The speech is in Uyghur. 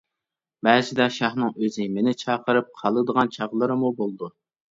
بەزىدە شاھنىڭ ئۆزى مېنى چاقىرىپ قالىدىغان چاغلىرىمۇ بولىدۇ.